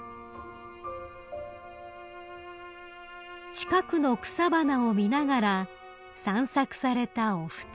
［近くの草花を見ながら散策されたお二人］